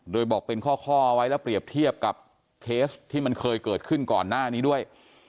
โดยบอกเป็นข้อไว้แล้วเปรียบเทียบกับเคสที่มันเคยเกิดขึ้นก่อนหน้านี้ด้วย